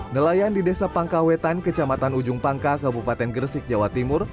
nelayan di desa pangkawetan kecamatan ujung pangka kabupaten gresik jawa timur